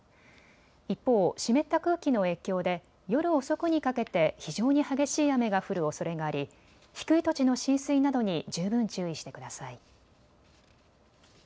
一方、湿った空気の影響で夜遅くにかけて非常に激しい雨が降るおそれがあり、低い土地の浸水などに十分注意してください。